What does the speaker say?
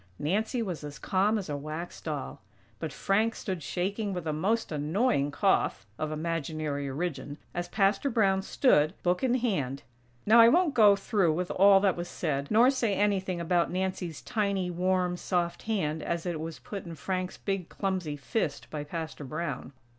Nancy was as calm as a wax doll; but Frank stood shaking with a most annoying cough (of imaginary origin!) as Pastor Brown stood, book in hand. Now I won't go through with all that was said; nor say anything about Nancy's tiny, warm, soft hand as it was put in Frank's big clumsy fist by Pastor Brown.